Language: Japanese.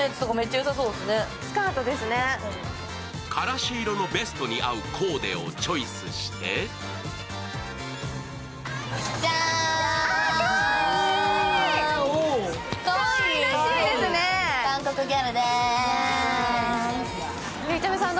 からし色のベストに合うコーデをチョイスしてじゃーん。